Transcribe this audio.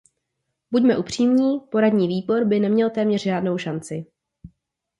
Buďme upřímní, poradní výbor by neměl téměř žádnou šanci.